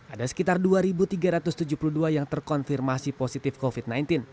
ada sekitar dua tiga ratus tujuh puluh dua yang terkonfirmasi positif covid sembilan belas